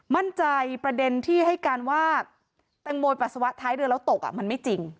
ประเด็นที่ให้การว่าแตงโมปัสสาวะท้ายเรือแล้วตกมันไม่จริง